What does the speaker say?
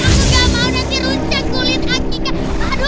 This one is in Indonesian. aku gak mau nanti rusak kulit akyu